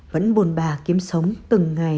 vẫn buồn bà kiếm sống từng ngày